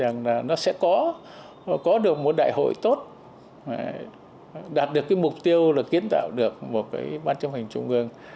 nó sẽ có có được một đại hội tốt đạt được cái mục tiêu là kiến tạo được một cái bán chống hình trung ương